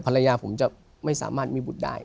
ภรรยาผมจะไม่สามารถมีบุตรได้